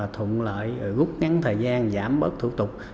thuận lợi rút ngắn thời gian giảm bớt thủ tục